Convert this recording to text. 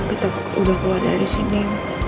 gitu udah keluar dari sini